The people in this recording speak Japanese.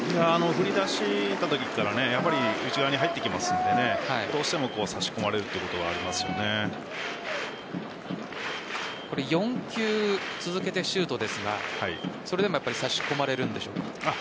振りだしたときからやっぱり内側に入ってきますのでどうしても差し込まれるということは４球続けてシュートですがそれでもやっぱり差し込まれるんでしょうか？